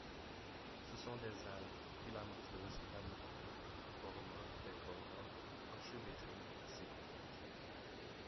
Ce sont des algues filamenteuses ramifiées formant des cordons enchevêtrés assez compacts.